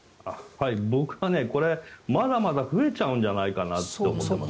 僕はこれ、まだまだ増えちゃうんじゃないかなと思っていまして。